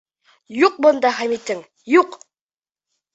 Юҡ бында Хәмитең, юҡ!